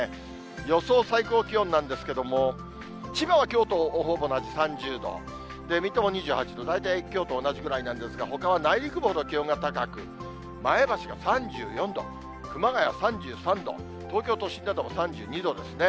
予想最高気温なんですけども、千葉はきょうとほぼ同じ３０度、水戸も２８度、大体きょうと同じくらいなんですが、ほかは内陸部ほど気温が高く、前橋は３４度、熊谷３３度、東京都心だと３２度ですね。